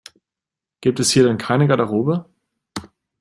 Gibt es hier denn keine Garderobe?